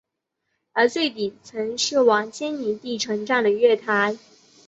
而最底层是往坚尼地城站的月台。